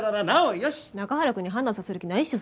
中原くんに判断させる気ないっしょ